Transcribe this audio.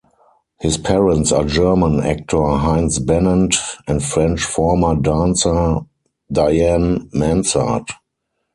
His parents are German actor Heinz Bennent and French former dancer Diane Mansart.